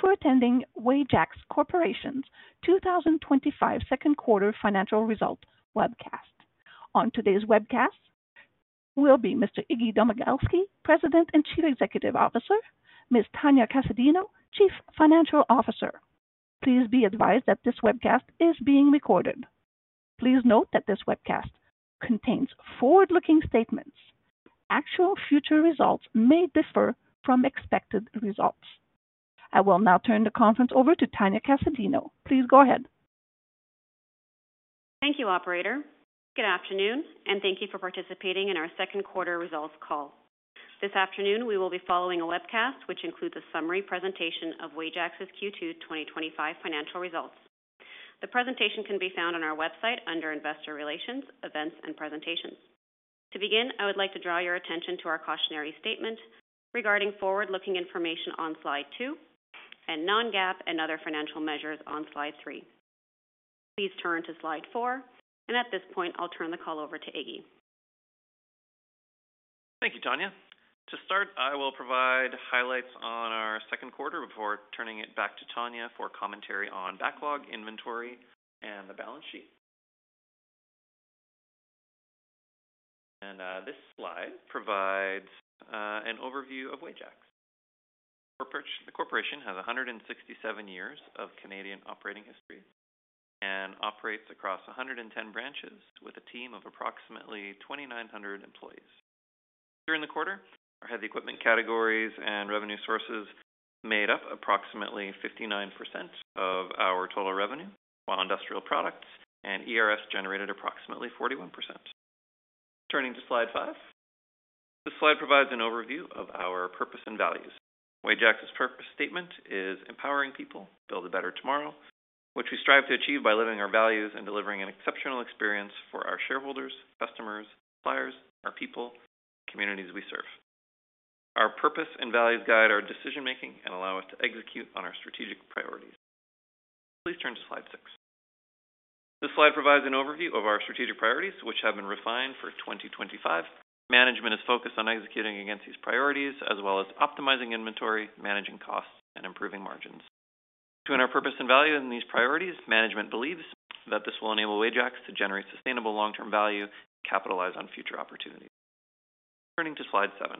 Thank you for attending Wajax Corporation's 2025 Second Quarter Financial Results Webcast. On today's webcast will be Mr. Iggy Domagalski, President and Chief Executive Officer, and Ms. Tania Casadinho, Chief Financial Officer. Please be advised that this webcast is being recorded. Please note that this webcast contains forward-looking statements. Actual future results may differ from expected results. I will now turn the conference over to Tania Casadinho, please go ahead. Thank you, Operator. Good afternoon, and thank you for participating in our Second Quarter Results call. This afternoon, we will be following a webcast which includes a summary presentation of Wajax's Q2 2025 Financial Results. The presentation can be found on our website under Investor Relations, Events, and Presentations. To begin, I would like to draw your attention to our cautionary statement regarding forward-looking information on slide 2 and non-GAAP and other financial measures on slide 3. Please turn to slide 4, and at this point, I'll turn the call over to Iggy. Thank you, Tania. To start, I will provide highlights on our second quarter before turning it back to Tania for commentary on backlog, inventory, and the balance sheet. This slide provides an overview of Wajax. The corporation has 167 years of Canadian operating history and operates across 110 branches with a team of approximately 2,900 employees. During the quarter, our heavy equipment categories and revenue sources made up approximately 59% of our total revenue, while industrial products and ERS generated approximately 41%. Turning to slide 5, this slide provides an overview of our purpose and values. Wajax's purpose statement is "Empowering people build a better tomorrow," which we strive to achieve by living our values and delivering an exceptional experience for our shareholders, customers, suppliers, our people, and communities we serve. Our purpose and values guide our decision-making and allow us to execute on our strategic priorities. Please turn to slide 6. This slide provides an overview of our strategic priorities, which have been refined for 2025. Management is focused on executing against these priorities, as well as optimizing inventory, managing costs, and improving margins. To our purpose and value in these priorities, management believes that this will enable Wajax to generate sustainable long-term value and capitalize on future opportunities. Turning to slide 7.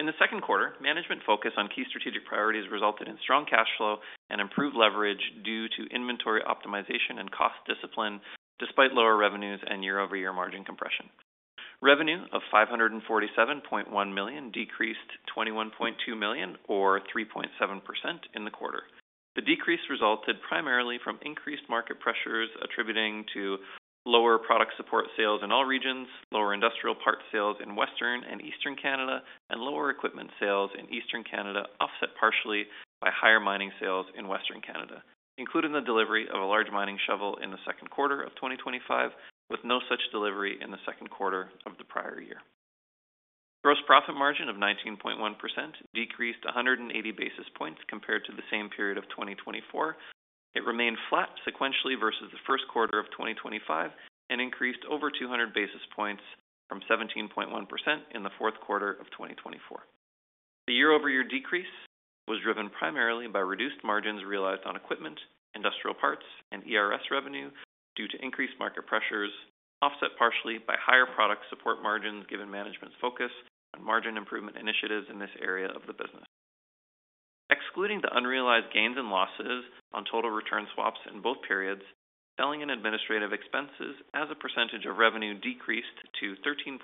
In the second quarter, management's focus on key strategic priorities resulted in strong cash flow and improved leverage due to inventory optimization and cost discipline, despite lower revenues and year-over-year margin compression. Revenue of CND 547.1 million decreased CND 21.2 million, or 3.7% in the quarter. The decrease resulted primarily from increased market pressures attributing to lower product support sales in all regions, lower industrial parts sales in Western and Eastern Canada, and lower equipment sales in Eastern Canada, offset partially by higher mining sales in Western Canada, including the delivery of a large mining shovel in the second quarter of 2025, with no such delivery in the second quarter of the prior year. Gross profit margin of 19.1% decreased 180 basis points compared to the same period of 2024. It remained flat sequentially versus the first quarter of 2025 and increased over 200 basis points from 17.1% in the fourth quarter of 2024. The year-over-year decrease was driven primarily by reduced margins realized on equipment, industrial parts, and ERS revenue due to increased market pressures, offset partially by higher product support margins given management's focus on margin improvement initiatives in this area of the business. Excluding the unrealized gains and losses on total return swaps in both periods, selling and administrative expenses as a percentage of revenue decreased to 13.8%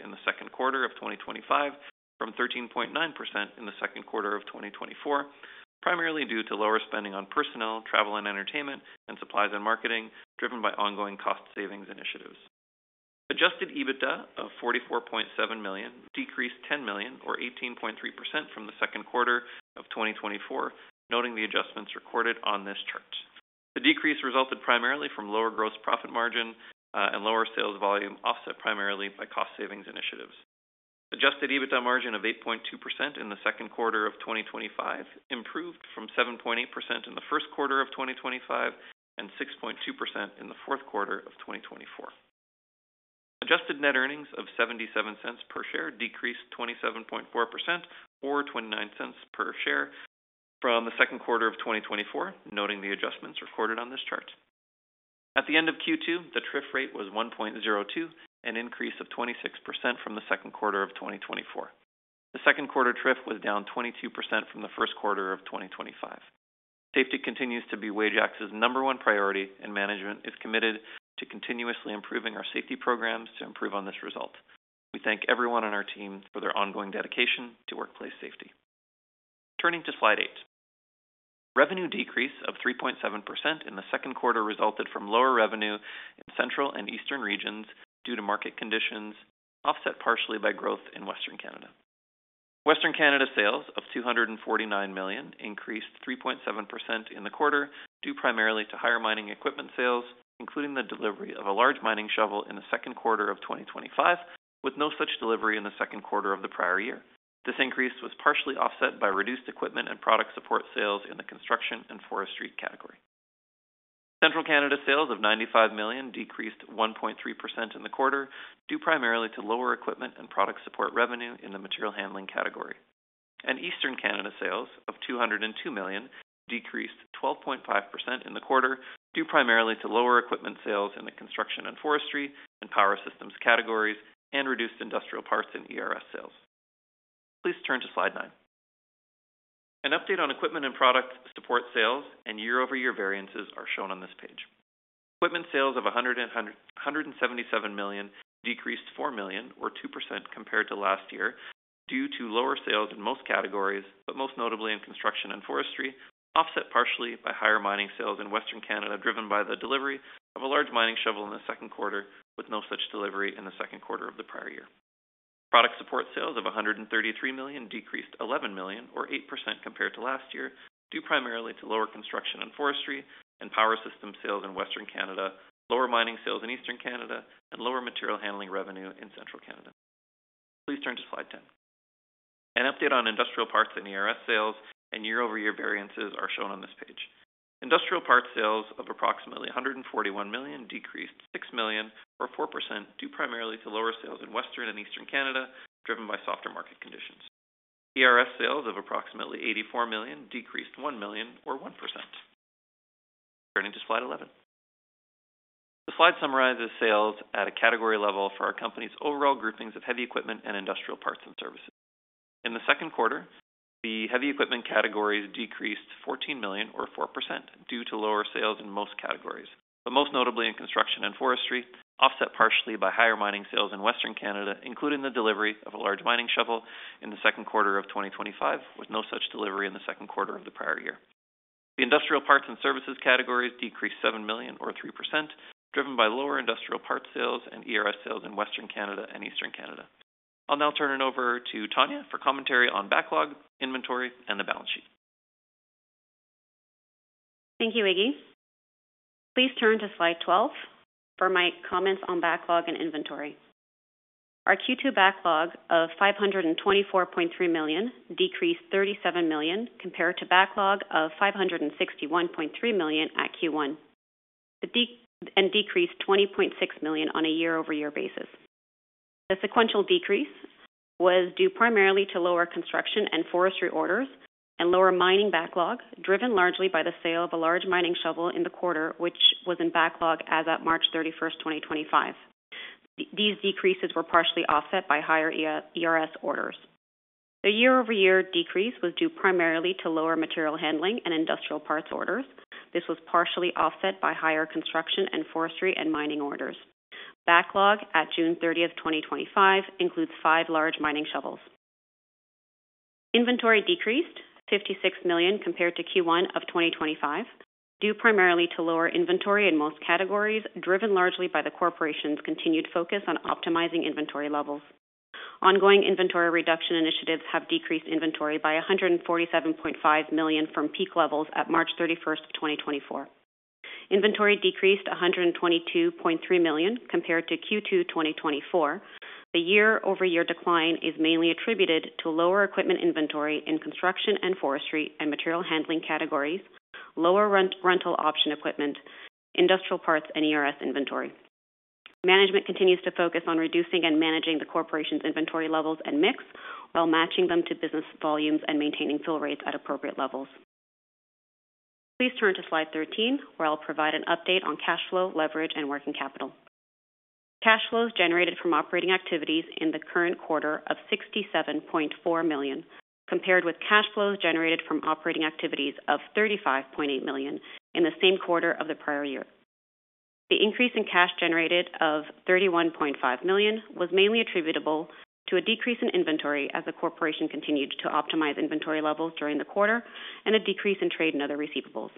in the second quarter of 2025 from 13.9% in the second quarter of 2024, primarily due to lower spending on personnel, travel and entertainment, and supplies and marketing driven by ongoing cost savings initiatives. Adjusted EBITDA of CND 44.7 million decreased CND 10 million, or 18.3% from the second quarter of 2024, noting the adjustments recorded on this chart. The decrease resulted primarily from lower gross profit margin and lower sales volume, offset primarily by cost savings initiatives. Adjusted EBITDA margin of 8.2% in the second quarter of 2025 improved from 7.8% in the first quarter of 2025 and 6.2% in the fourth quarter of 2024. Adjusted net earnings of CND 0.77 per share decreased 27.4%, or CND 0.29 per share from the second quarter of 2024, noting the adjustments recorded on this chart. At the end of Q2, the TRIF rate was 1.02, an increase of 26% from the second quarter of 2024. The second quarter TRIF was down 22% from the first quarter of 2025. Safety continues to be Wajax's number one priority, and management is committed to continuously improving our safety programs to improve on this result. We thank everyone on our team for their ongoing dedication to workplace safety. Turning to slide 8. Revenue decrease of 3.7% in the second quarter resulted from lower revenue in Central and Eastern regions due to market conditions, offset partially by growth in Western Canada. Western Canada sales of CND 249 million increased 3.7% in the quarter, due primarily to higher mining equipment sales, including the delivery of a large mining shovel in the second quarter of 2025, with no such delivery in the second quarter of the prior year. This increase was partially offset by reduced equipment and product support sales in the construction and forestry category. Central Canada sales of CND 95 million decreased 1.3% in the quarter, due primarily to lower equipment and product support revenue in the material handling category. Eastern Canada sales of CND 202 million decreased 12.5% in the quarter, due primarily to lower equipment sales in the construction and forestry and power systems categories and reduced industrial parts and ERS sales. Please turn to slide 9. An update on equipment and product support sales and year-over-year variances are shown on this page. Equipment sales of CND 177 million decreased CND 4 million, or 2% compared to last year, due to lower sales in most categories, but most notably in construction and forestry, offset partially by higher mining sales in Western Canada, driven by the delivery of a large mining shovel in the second quarter, with no such delivery in the second quarter of the prior year. Product support sales of CND 133 million decreased CND 11 million, or 8% compared to last year, due primarily to lower construction and forestry and power systems sales in Western Canada, lower mining sales in Eastern Canada, and lower material handling revenue in Central Canada. Please turn to slide 10. An update on industrial parts and ERS sales and year-over-year variances are shown on this page. Industrial parts sales of approximately CND 141 million decreased CND 6 million, or 4%, due primarily to lower sales in Western and Eastern Canada, driven by softer market conditions. ERS sales of approximately CND 84 million decreased CND 1 million, or 1%. Turning to slide 11. The slide summarizes sales at a category level for our company's overall groupings of heavy equipment and industrial parts and services. In the second quarter, the heavy equipment categories decreased CND 14 million, or 4%, due to lower sales in most categories, but most notably in construction and forestry, offset partially by higher mining sales in Western Canada, including the delivery of a large mining shovel in the second quarter of 2024, with no such delivery in the second quarter of the prior year. The industrial parts and services categories decreased CND 7 million, or 3%, driven by lower industrial parts sales and ERS sales in Western Canada and Eastern Canada. I'll now turn it over to Tania for commentary on backlog, inventory, and the balance sheet. Thank you, Iggy. Please turn to slide 12 for my comments on backlog and inventory. Our Q2 backlog of CND 524.3 million decreased CND 37 million compared to a backlog of CND 561.3 million at Q1 and decreased CND 20.6 million on a year-over-year basis. The sequential decrease was due primarily to lower construction and forestry orders and lower mining backlog, driven largely by the sale of a large mining shovel in the quarter, which was in backlog as of March 31st, 2025. These decreases were partially offset by higher ERS orders. The year-over-year decrease was due primarily to lower material handling and industrial parts orders. This was partially offset by higher construction and forestry and mining orders. Backlog at June 30th, 2025 includes five large mining shovels. Inventory decreased CND 56 million compared to Q1 of 2025, due primarily to lower inventory in most categories, driven largely by the corporation's continued focus on optimizing inventory levels. Ongoing inventory reduction initiatives have decreased inventory by CND 147.5 million from peak levels at March 31st, 2024. Inventory decreased CND 122.3 million compared to Q2 2024. The year-over-year decline is mainly attributed to lower equipment inventory in construction and forestry and material handling categories, lower rental option equipment, industrial parts, and ERS inventory. Management continues to focus on reducing and managing the corporation's inventory levels and mix while matching them to business volumes and maintaining fill rates at appropriate levels. Please turn to slide 13, where I'll provide an update on cash flow, leverage, and working capital. Cash flows generated from operating activities in the current quarter of CND 67.4 million, compared with cash flows generated from operating activities of CND 35.8 million in the same quarter of the prior year. The increase in cash generated of CND 31.5 million was mainly attributable to a decrease in inventory as the corporation continued to optimize inventory levels during the quarter and a decrease in trade and other receivables.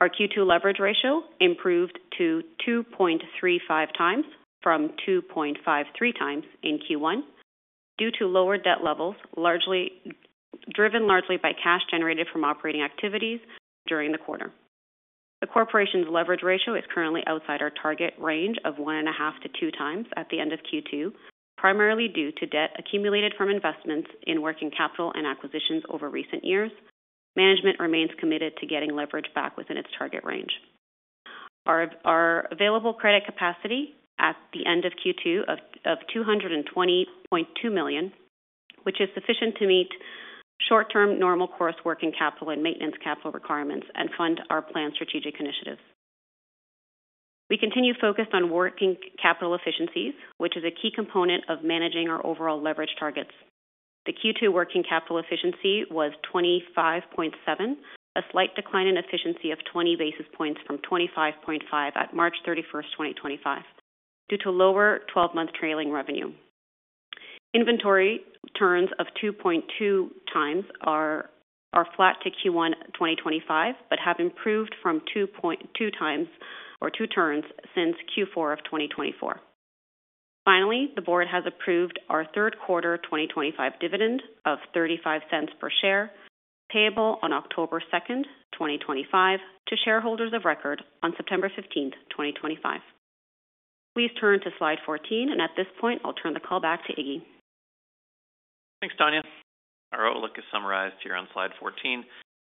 Our Q2 leverage ratio improved to 2.35x from 2.53x in Q1, due to lower debt levels, driven largely by cash generated from operating activities during the quarter. The corporation's leverage ratio is currently outside our target range of 1.5x-2x at the end of Q2, primarily due to debt accumulated from investments in working capital and acquisitions over recent years. Management remains committed to getting leverage back within its target range. Our available credit capacity at the end of Q2 is CND 220.2 million, which is sufficient to meet short-term normal course working capital and maintenance capital requirements and fund our planned strategic initiatives. We continue focused on working capital efficiencies, which is a key component of managing our overall leverage targets. The Q2 working capital efficiency was 25.7%, a slight decline in efficiency of 20 bps from 25.9% at March 31st, 2025, due to lower 12-month trailing revenue. Inventory turns of 2.2x are flat to Q1 2025, but have improved from 2.2x or 2.0 turns since Q4 of 2024. Finally, the Board has approved our third quarter 2025 dividend of CND 0.35 per share, payable on October 2nd, 2025, to shareholders of record on September 15th, 2025. Please turn to slide 14, and at this point, I'll turn the call back to Iggy. Thanks, Tania. Our overlook is summarized here on slide 14.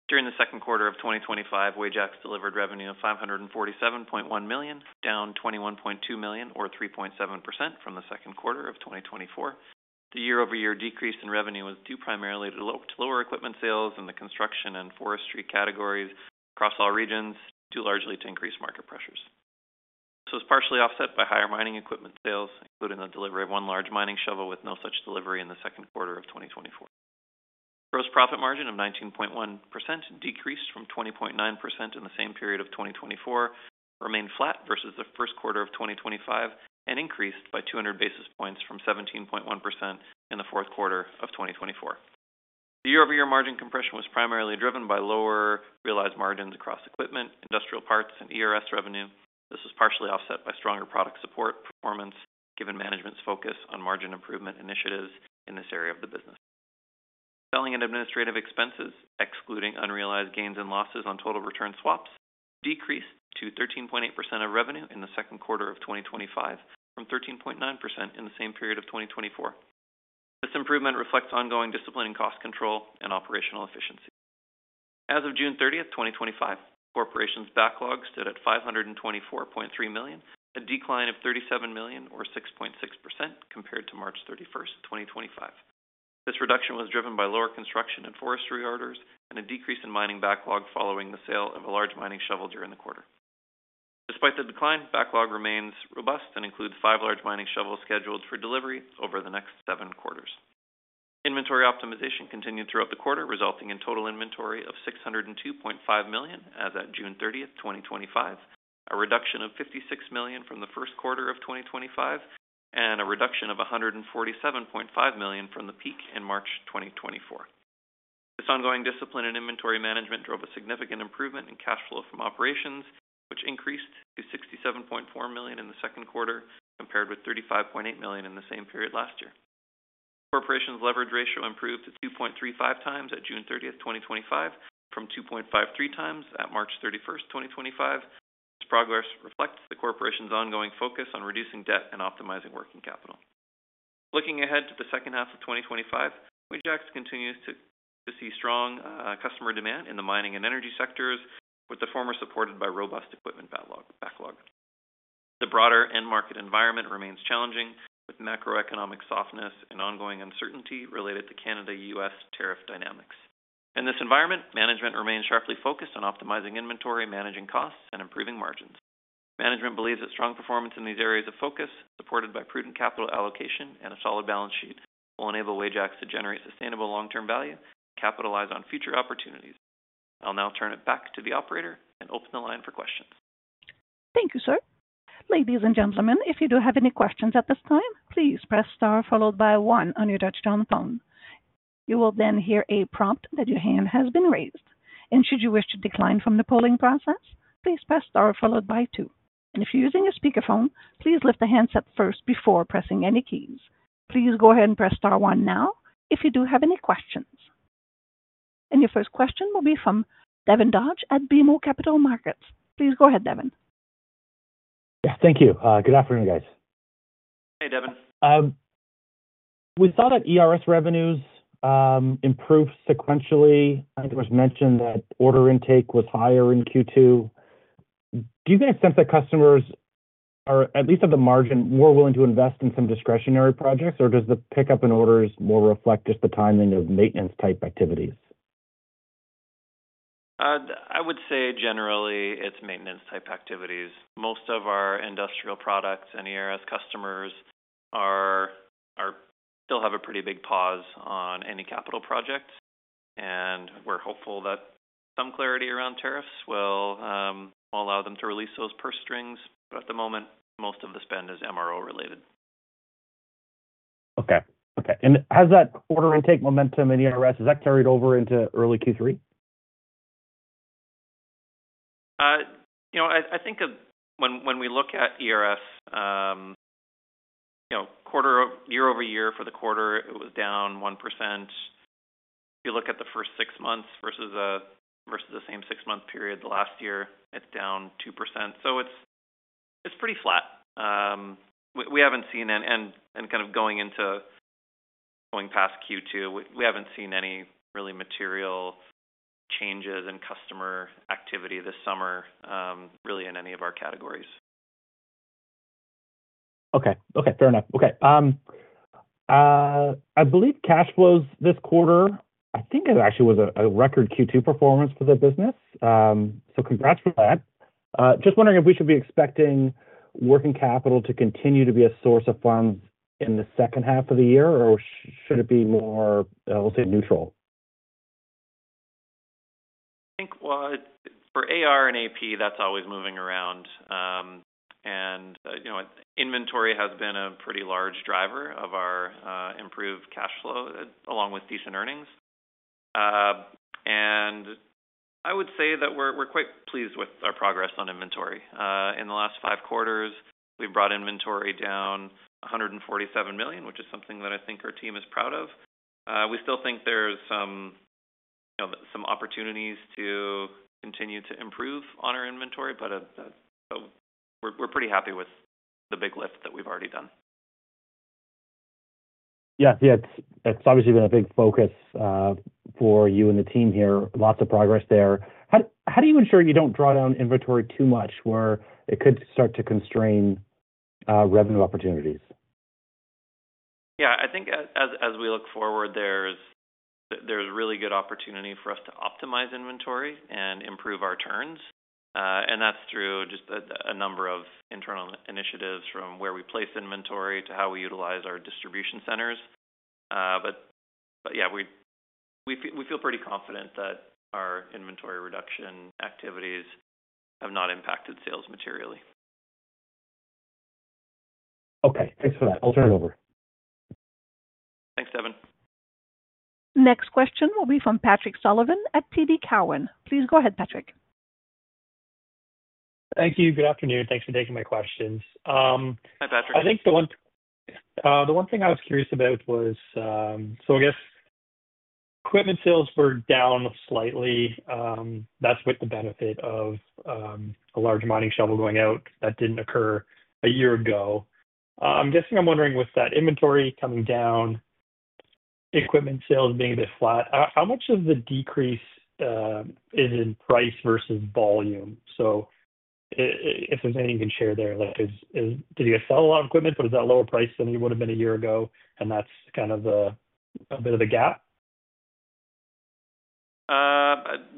During the second quarter of 2025, Wajax delivered revenue of CND 547.1 million, down CND 21.2 million, or 3.7% from the second quarter of 2024. The year-over-year decrease in revenue was due primarily to lower equipment sales in the construction and forestry categories across all regions, due largely to increased market pressures. This was partially offset by higher mining equipment sales, including the delivery of one large mining shovel, with no such delivery in the second quarter of 2024. Gross profit margin of 19.1% decreased from 20.9% in the same period of 2024, remained flat versus the first quarter of 2025, and increased by 200 basis points from 17.1% in the fourth quarter of 2024. The year-over-year margin compression was primarily driven by lower realized margins across equipment, industrial parts, and ERS revenue. This was partially offset by stronger product support performance, given management's focus on margin improvement initiatives in this area of the business. Selling and administrative expenses, excluding unrealized gains and losses on total return swaps, decreased to 13.8% of revenue in the second quarter of 2025 from 13.9% in the same period of 2024. This improvement reflects ongoing discipline and cost control and operational efficiency. As of June 30th, 2025, the corporation's backlog stood at CND 524.3 million, a decline of CND 37 million, or 6.6% compared to March 31st, 2025. This reduction was driven by lower construction and forestry orders and a decrease in mining backlog following the sale of a large mining shovel during the quarter. Despite the decline, the backlog remains robust and includes five large mining shovels scheduled for delivery over the next seven quarters. Inventory optimization continued throughout the quarter, resulting in total inventory of CND 602.5 million as at June 30th, 2025, a reduction of CND 56 million from the first quarter of 2025, and a reduction of CND 147.5 million from the peak in March 2024. This ongoing discipline and inventory management drove a significant improvement in cash flow from operations, which increased to CND 67.4 million in the second quarter compared with CND 35.8 million in the same period last year. The corporation's leverage ratio improved to 2.35x at June 30th, 2025, from 2.53x at March 31st, 2025. This progress reflects the corporation's ongoing focus on reducing debt and optimizing working capital. Looking ahead to the second half of 2025, Wajax continues to see strong customer demand in the mining and energy sectors, with the former supported by a robust equipment backlog. The broader end-market environment remains challenging, with macroeconomic softness and ongoing uncertainty related to Canada-US tariff dynamics. In this environment, management remains sharply focused on optimizing inventory, managing costs, and improving margins. Management believes that strong performance in these areas of focus, supported by prudent capital allocation and a solid balance sheet, will enable Wajax to generate sustainable long-term value and capitalize on future opportunities. I'll now turn it back to the operator and open the line for questions. Thank you, sir. Ladies and gentlemen, if you do have any questions at this time, please press star followed by one on your touch-tone phone. You will then hear a prompt that your hand has been raised. Should you wish to decline from the polling process, please press star followed by two. If you're using a speakerphone, please lift the handset first before pressing any keys. Please go ahead and press star one now if you do have any questions. Your first question will be from Devin Dodge at BMO Capital Markets. Please go ahead, Devin. Yeah, thank you. Good afternoon, guys. Hey, Devin. We thought that ERS revenues improved sequentially. I think it was mentioned that order intake was higher in Q2. Do you get a sense that customers are, at least at the margin, more willing to invest in some discretionary projects, or does the pickup in orders more reflect just the timing of maintenance-type activities? I would say generally it's maintenance-type activities. Most of our industrial products and engineered repair services customers still have a pretty big pause on any capital projects, and we're hopeful that some clarity around tariffs will allow them to release those purse strings. At the moment, most of the spend is MRO related. Okay. Has that order intake momentum in ERS, has that carried over into early Q3? I think when we look at ERS, quarter over year over year for the quarter, it was down 1%. If you look at the first six months versus the same six-month period last year, it's down 2%. It's pretty flat. We haven't seen, and going past Q2, we haven't seen any really material changes in customer activity this summer, really in any of our categories. Okay. Fair enough. I believe cash flows this quarter, I think it actually was a record Q2 performance for the business. Congrats for that. Just wondering if we should be expecting working capital to continue to be a source of funds in the second half of the year, or should it be more, we'll say, neutral? I think for AR and AP, that's always moving around. Inventory has been a pretty large driver of our improved cash flow, along with decent earnings. I would say that we're quite pleased with our progress on inventory. In the last five quarters, we've brought inventory down CND 147 million, which is something that I think our team is proud of. We still think there's some opportunities to continue to improve on our inventory, but we're pretty happy with the big lift that we've already done. Yeah, it's obviously been a big focus for you and the team here. Lots of progress there. How do you ensure you don't draw down inventory too much where it could start to constrain revenue opportunities? I think as we look forward, there's really good opportunity for us to optimize inventory and improve our turns. That's through just a number of internal initiatives from where we place inventory to how we utilize our distribution centers. We feel pretty confident that our inventory reduction activities have not impacted sales materially. Okay, thanks for that. I'll turn it over. Thanks, Devin. Next question will be from Patrick Sullivan at TD Cowen. Please go ahead, Patrick. Thank you. Good afternoon. Thanks for taking my questions. Hi, Patrick. I think the one thing I was curious about was, I guess equipment sales were down slightly. That's with the benefit of a large mining shovel going out that didn't occur a year ago. I'm guessing I'm wondering, with that inventory coming down, equipment sales being a bit flat, how much of the decrease is in price versus volume? If there's anything you can share there, like did you sell a lot of equipment, but is that lower priced than it would have been a year ago, and that's kind of a bit of a gap?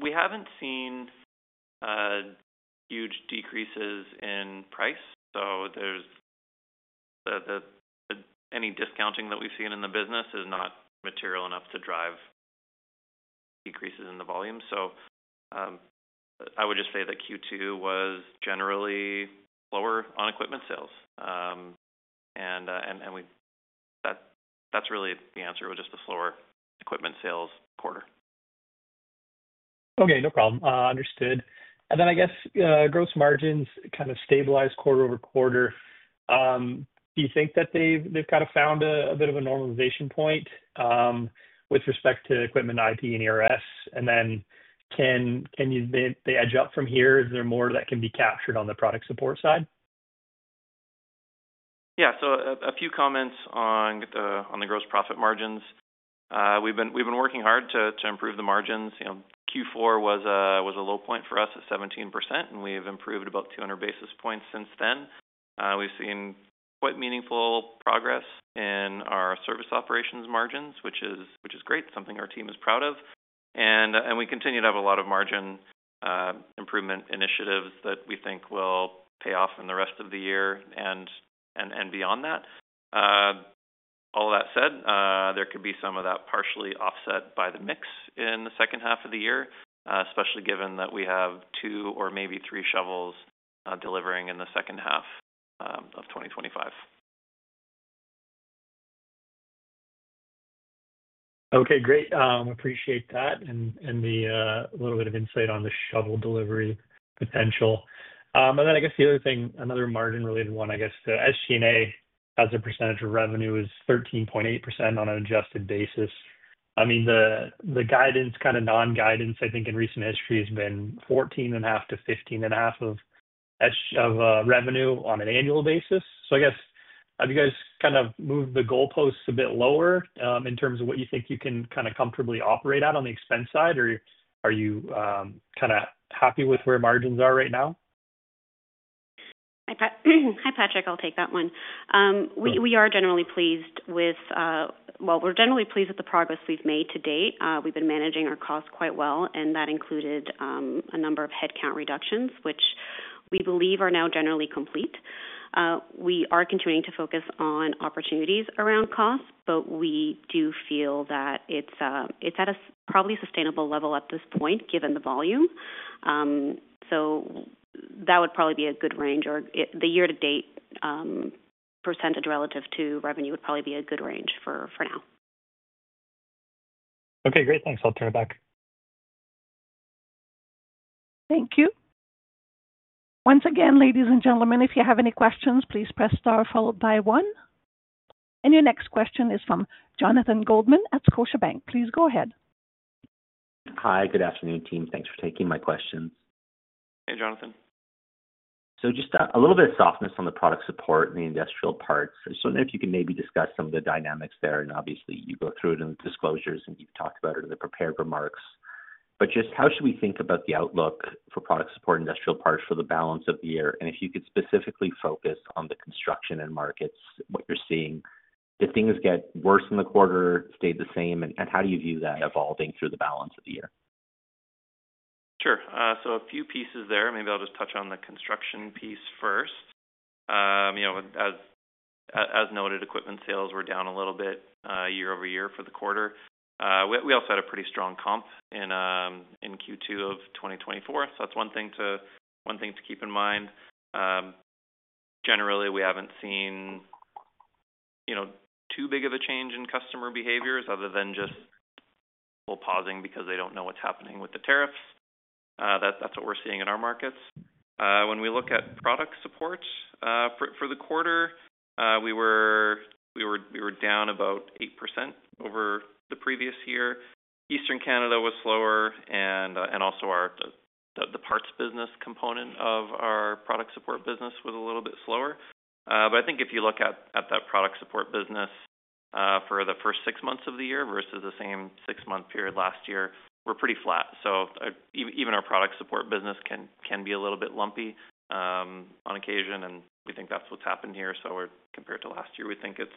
We haven't seen huge decreases in price. Any discounting that we've seen in the business is not material enough to drive decreases in the volume. I would just say that Q2 was generally slower on equipment sales, and that's really the answer—it was just a slower equipment sales quarter. Okay. No problem. Understood. Gross margins kind of stabilized quarter over quarter. Do you think that they've kind of found a bit of a normalization point with respect to equipment, IP, and ERS? Can they edge up from here? Is there more that can be captured on the product support side? Yeah. A few comments on the gross profit margins. We've been working hard to improve the margins. Q4 was a low point for us at 17%, and we've improved about 200 basis points since then. We've seen quite meaningful progress in our service operations margins, which is great, something our team is proud of. We continue to have a lot of margin improvement initiatives that we think will pay off in the rest of the year and beyond that. All of that said, there could be some of that partially offset by the mix in the second half of the year, especially given that we have two or maybe three shovels delivering in the second half of 2025. Okay. Great. I appreciate that and the little bit of insight on the shovel delivery potential. I guess the other thing, another margin-related one, the SG&A as a percentage of revenue is 13.8% on an adjusted basis. I mean, the guidance, kind of non-guidance, I think in recent history has been 14.5%-15.5% of revenue on an annual basis. I guess have you guys kind of moved the goalposts a bit lower in terms of what you think you can kind of comfortably operate at on the expense side, or are you kind of happy with where margins are right now? Hi, Patrick. I'll take that one. We are generally pleased with the progress we've made to date. We've been managing our costs quite well, and that included a number of headcount reductions, which we believe are now generally complete. We are continuing to focus on opportunities around costs, but we do feel that it's at a probably sustainable level at this point given the volume. That would probably be a good range, or the year-to-date percent relative to revenue would probably be a good range for now. Okay. Great. Thanks. I'll turn it back. Thank you. Once again, ladies and gentlemen, if you have any questions, please press star followed by one. Your next question is from Jonathan Goldman at Scotiabank. Please go ahead. Hi. Good afternoon, team. Thanks for taking my question. Hey, Jonathan. was just a little bit of softness on the product support and the industrial parts. I just don't know if you can maybe discuss some of the dynamics there. Obviously, you go through it in the disclosures, and you've talked about it in the prepared remarks. How should we think about the outlook for product support and industrial parts for the balance of the year? If you could specifically focus on the construction and markets, what you're seeing, did things get worse in the quarter, stayed the same, and how do you view that evolving through the balance of the year? Sure. A few pieces there. Maybe I'll just touch on the construction piece first. As noted, equipment sales were down a little bit year over year for the quarter. We also had a pretty strong comp in Q2 of 2024. That's one thing to keep in mind. Generally, we haven't seen too big of a change in customer behaviors other than just people pausing because they don't know what's happening with the tariffs. That's what we're seeing in our markets. When we look at product support for the quarter, we were down about 8% over the previous year. Eastern Canada was slower, and also the parts business component of our product support business was a little bit slower. I think if you look at that product support business for the first six months of the year versus the same six-month period last year, we're pretty flat. Even our product support business can be a little bit lumpy on occasion, and we think that's what's happened here. Compared to last year, we think it's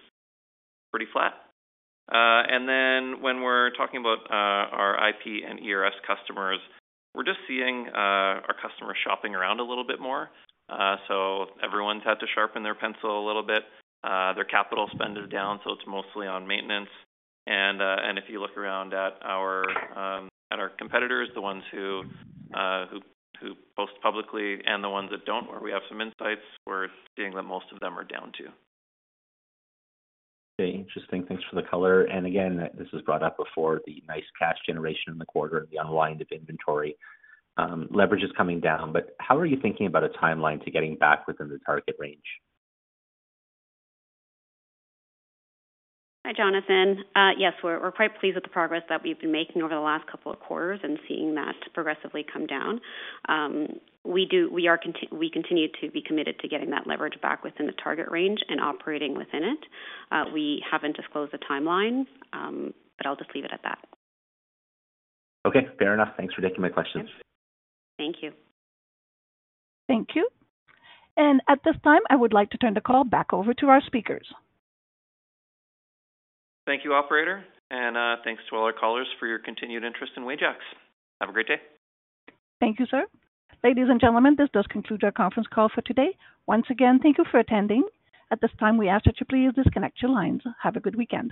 pretty flat. When we're talking about our IP and engineered repair services customers, we're just seeing our customers shopping around a little bit more. Everyone's had to sharpen their pencil a little bit. Their capital spend is down, so it's mostly on maintenance. If you look around at our competitors, the ones who post publicly and the ones that don't, where we have some insights, we're seeing that most of them are down too. Okay. Interesting. Thanks for the color. This was brought up before, the nice cash generation in the quarter, the unwind of inventory. Leverage is coming down. How are you thinking about a timeline to getting back within the target range? Hi, Jonathan. Yes, we're quite pleased with the progress that we've been making over the last couple of quarters and seeing that progressively come down. We continue to be committed to getting that leverage back within the target range and operating within it. We haven't disclosed the timelines, but I'll just leave it at that. Okay. Fair enough. Thanks for taking my questions. Thank you. Thank you. At this time, I would like to turn the call back over to our speakers. Thank you, Operator, and thanks to all our callers for your continued interest in Wajax. Have a great day. Thank you, sir. Ladies and gentlemen, this does conclude our conference call for today. Once again, thank you for attending. At this time, we ask that you please disconnect your lines. Have a good weekend.